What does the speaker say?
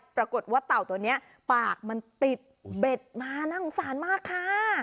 ปรากฏว่าเต่าตัวนี้ปากมันติดเบ็ดมาน่าสงสารมากค่ะ